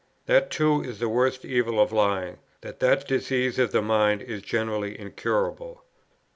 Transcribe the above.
That too is the worst evil of lying, that that disease of the mind is generally incurable.